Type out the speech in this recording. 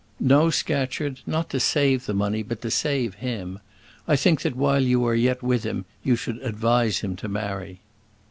"No, Scatcherd; not to save the money, but to save him. I think that while you are yet with him you should advise him to marry."